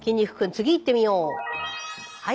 次いってみよう。